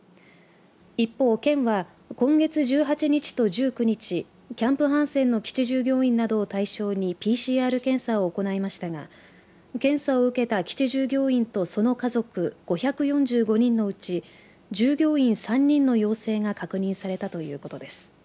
一方、県は今月１８日と１９日キャンプハンセンの基地従業員などを対象にＰＣＲ検査を行いましたが検査を受けた基地従業員とその家族５４５人のうち従業員３人の陽性が確認されたということです。